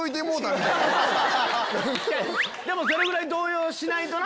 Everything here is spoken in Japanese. でもそれぐらい動揺しないとな。